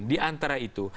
di antara itu